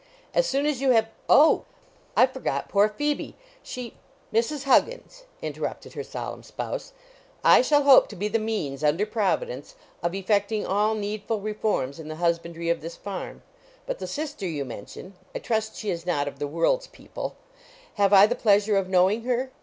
As soon as you have O! I forgot poor Phoebe. She" "Mrs. Huggins," interrupted her solemn spouse, "I shall hope to be the means, under Providence, of effecting all needful reforms in the husbandry of this farm. But the sister you mention (I trust she is not of the world's people) have I the pleasure of knowing her?